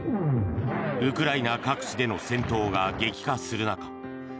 ウクライナ各地での戦闘が激化する中２